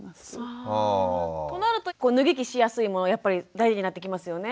となると脱ぎ着しやすいものやっぱり大事になってきますよね。